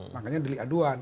makanya delik aduan